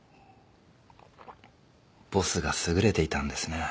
ボスが優れていたんですね。